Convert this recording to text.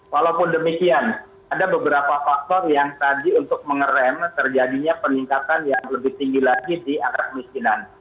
walaupun demikian ada beberapa faktor yang tadi untuk mengeram terjadinya peningkatan yang lebih tinggi lagi di angka kemiskinan